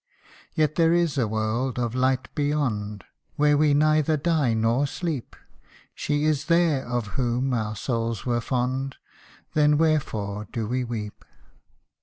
Yet there is a world of light beyond, Where we neither die nor sleep She is there, of whom our souls were fond Then wherefore do we weep